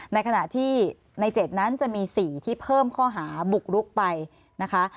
ในขณะที่ใน๗นั้นจะมี๔ที่เพิ่มข้อหาบุกรุกไปนะคะ